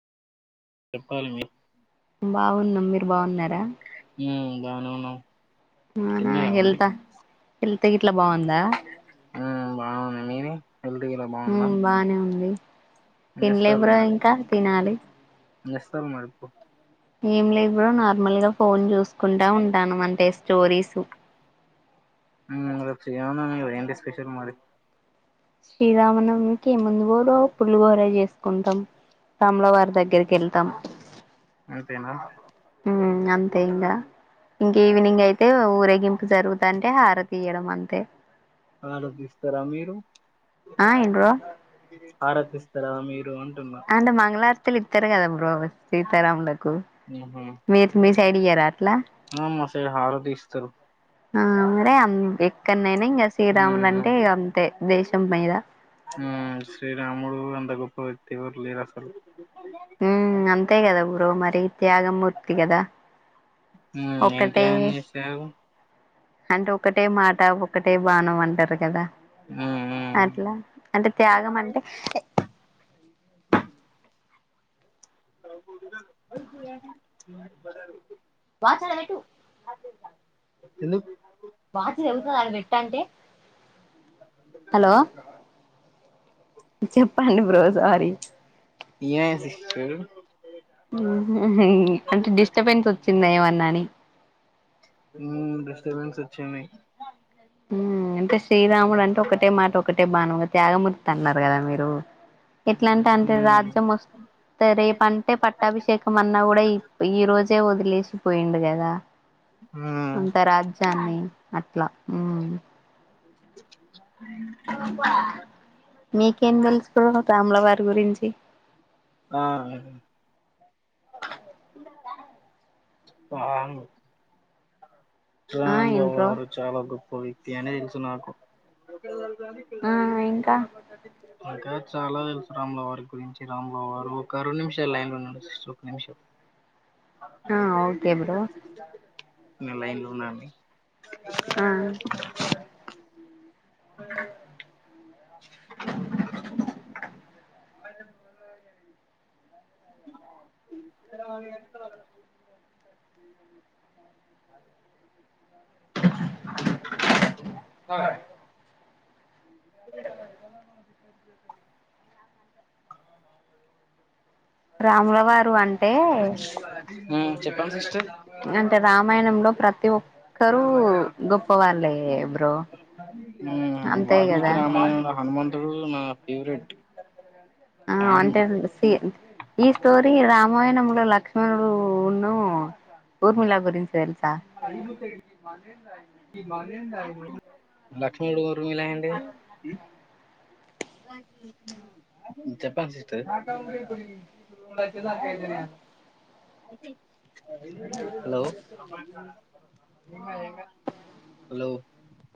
చెప్పాలి అమ్మీ బాగున్నాం మీరు బాగున్నారా? ఉమ్ బానే ఉన్నాం. అవునా తిన్నారా మరి హెల్తా హెల్త్ గిట్లా బాగుందా? ఉమ్ బాగుంది మీది హెల్త్ గిట్లా బాగుందా? ఉమ్ బానే ఉంది ఏం తినలే బ్రో ఇంకా తినాలి. నేస్తాల్ మరిపో ఏం లేదు బ్రో నార్మల్గా ఫోన్ చూసుకుంటా ఉంటాను అంటే స్టోరీస్ మ్ రేపు శ్రీరామనవమి కదా ఏంటి స్పెషల్ మరి శ్రీరామనవమికి ఏముంది పోలో పుల్లిగోర చేసుకుంటాం రామ్లవారి దగ్గరికి వెళ్తాం అంతేనా మ్ అంతే ఇంగా ఇంకా ఈవినింగ్ అయితే ఊరేగింపు జరుగుతంటే హారతి ఈయ్యాడం అంతే ఆ ఏంటి బ్రో హారతి ఇస్తారా మీరు అంటున్నా అంటె మంగళహారతిలు ఇత్తరు కదా బ్రో సీతారాములకు ఉహు మీర్ మీ సైడ్ ఇయ్యారా అట్లా ఆ మా సైడ్ హారతి ఇస్తారు ఆ మరే అ ఎక్కనైనా ఇంకా శ్రీరాములు అంటే ఉమ్ ఇగా అంతే దేశం మీద శ్రీరాముడు అంత గొప్ప వ్యక్తి ఎవ్వరు లేరు అసలు టే త్యాగమూర్తి కదా ఉమ్ ఏం ఒకటే త్యాగం చేశారు అంటే ఒకటే మాట ఒక్ ఒక్కటే బానం అంటారు కదా ఉమ్ ఉమ్ అట్లా అంటే త్యాగం అంటే వాచ్ ఆడ పెట్టు ఎందుకు వాచ్ తెగుతది అక్కడ పెట్టు అంటే హలో చెప్పండి బ్రో సారి ఏ సిస్టర్ ముహు అంటే డిస్టబెన్స్ వచ్చింద ఏమన్నా అని ఉమ్ డిస్టర్బెన్స్ వచ్చింది మ్ అంటే శ్రీరాముడు అంటే ఒకటే మాట ఒక టే బాణం త్యాగమూర్తి అన్నారు కదా మీరు ఎట్లా అంటే అంటే రాజ్యం వ ఉమ్ త రేపంటే పట్టాభిషేకం అన్నా కూడా ఈ రోజే వదిలేషిపోయిండు కదా ఆ అంత రాజ్యాన్ని అట్లా ఉ మీకేం తెలుసు బ్రో రాములవారి గురించి ఆ ఆ ఆ రామూల ఏం బ్రో వారు చాలా గొప్ప వ్యక్తి అనే తెలుసు నాకు ఆ ఇంకా ఇంకా చాలా తెలుసు రామూల గారి గురించి రామూల వారు ఒక రెన్ను నిమిషాలు లైన్ లో ఉండు సిస్ ఒక నిమిషం ఆ ఓకే బ్రో నేను లైన్ లో ఉన్నా అండి ఆ అ ఎ హ అ [unintelligible] అ రాముల వారు అంటే ఉమ్, చెప్పండి సిస్టర్ అంటే రామాయణంలో ప్రతి ఒక్కరూ గొప్ప వాళ్ళే బ్రో ఉమ్, అంతే గదా వాల్మీకి రామాయణంలో హనుమంతుడు నా ఫేవరెట్ ఆ ఫ్యాన్ అంటే సీ ఈ స్టోరీ రామాయణంలో లా ఆ ఊర్మిలా గురించి తెలుసా లక్ష్మడు ఎవరు మీలాండి ఉ చెప్పండి సిస్టర్ హలో హలో